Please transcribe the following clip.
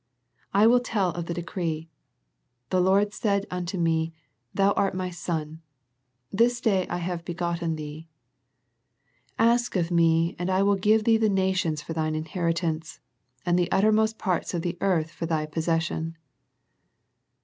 I will tell of the decree : 1 62 A First Century Message The Lord said unto Me, Thou art My Son ; This day have I begotten Thee. Ask of Me, and I will give Thee the nations for Thine inheritance, And the uttermost parts of the earth for Thy possession."